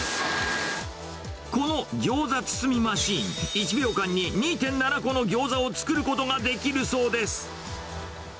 このギョーザ包みマシン、１秒間に２．７個のギョーザを作ることができるそうです。